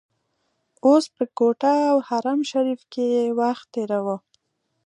اوس په کوټه او حرم شریف کې وخت تیروو.